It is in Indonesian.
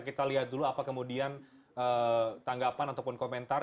kita lihat dulu apa kemudian tanggapan ataupun komentar